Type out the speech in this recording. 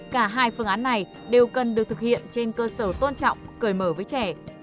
cả hai phương án này đều cần được thực hiện trên cơ sở tôn trọng cởi mở với trẻ